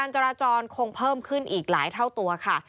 จราจรคงเพิ่มขึ้นอีกหลายเท่าตัวค่ะ